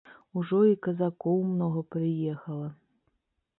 Ужо і казакоў многа прыехала.